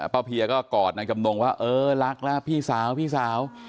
เพียก็กอดนางจำนงว่าเออรักแล้วพี่สาวพี่สาว